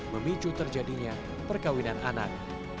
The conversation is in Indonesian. memicu terjadinya perkawinan anak